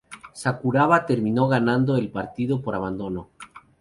Sakuraba terminó ganando el partido por abandono.